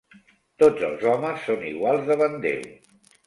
Tots els homes són iguals davant Déu.